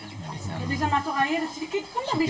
enggak bisa matuk air sedikit pun enggak bisa